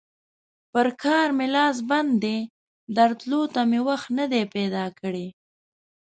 پر کار مې لاس بند دی؛ درتلو ته مې وخت نه دی پیدا کړی.